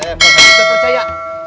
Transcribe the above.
eh mau ikut percaya